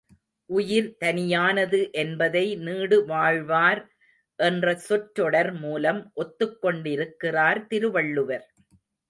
உயிர் தனியானது என்பதை நீடுவாழ்வார் என்ற சொற்றொடர் மூலம் ஒத்துக் கொண்டிருக்கிறார் திருவள்ளுவர்.